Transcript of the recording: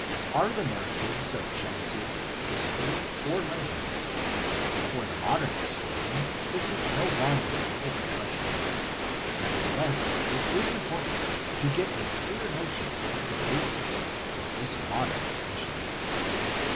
ARE the narratives of Genesis history or legend? For the modern historian this is no longer an open question; nevertheless it is important to get a clear notion of the bases of this modern posi tion.